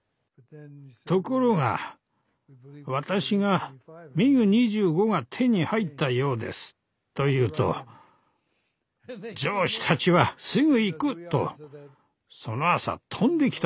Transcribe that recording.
ところが私がミグ２５が手に入ったようですと言うと上司たちはすぐ行くとその朝飛んできたんです。